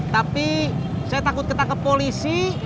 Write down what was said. tapi saya takut ketangkep polisi